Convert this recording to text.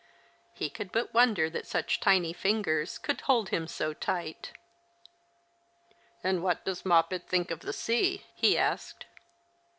He could but wonder that such tiny fingers could hold him so tight. " And \^ hat does Moppet think of the sea ?" he asked.